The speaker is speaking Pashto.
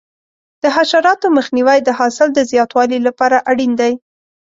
د حشراتو مخنیوی د حاصل د زیاتوالي لپاره اړین دی.